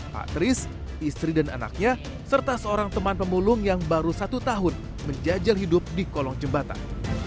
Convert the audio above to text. pak tris istri dan anaknya serta seorang teman pemulung yang baru satu tahun menjajal hidup di kolong jembatan